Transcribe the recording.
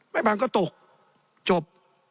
ไม่ผ่านก็ตกจบ